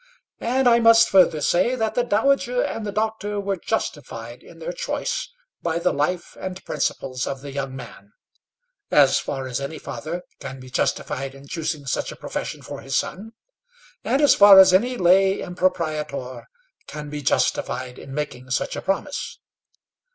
And I must further say, that the dowager and the doctor were justified in their choice by the life and principles of the young man as far as any father can be justified in choosing such a profession for his son, and as far as any lay impropriator can be justified in making such a promise.